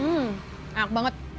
hmm enak banget